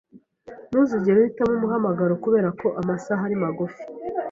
Ntuzigere uhitamo umuhamagaro kubera ko amasaha ari mugufi.